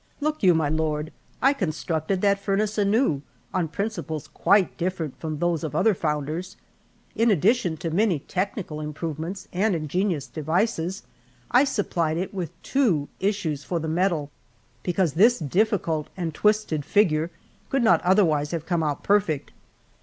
Look you, my lord! I constructed that furnace anew on principles quite different from those of other founders; in addition to many technical improvements and ingenious devices, I supplied it with two issues for the metal, because this difficult and twisted figure could not otherwise have come out perfect.